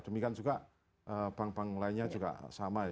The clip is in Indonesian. demikian juga bank bank lainnya juga sama ya